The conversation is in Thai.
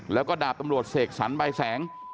แล้วก็ดาบตำรวจเสกสรรใบแสง